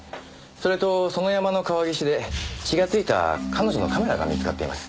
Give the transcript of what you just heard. それとその山の川岸で血が付いた彼女のカメラが見つかっています。